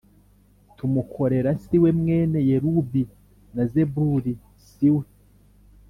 tumukorera Si we mwene Yerubi na Zebuli si we